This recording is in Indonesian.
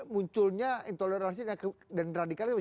munculnya intoleransi dan radikalisme